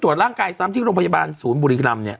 ร่างกายซ้ำที่โรงพยาบาลศูนย์บุรีรำเนี่ย